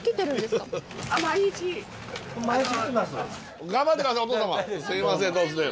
すいません突然。